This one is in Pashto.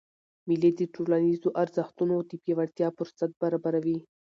مېلې د ټولنیزو ارزښتونو د پیاوړتیا فُرصت برابروي.